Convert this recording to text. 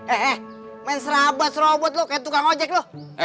eh eh main serabas robot lo kayak tukang ojek lo